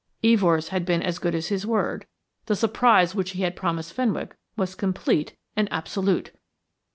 Evors had been as good as his word the surprise which he had promised Fenwick was complete and absolute.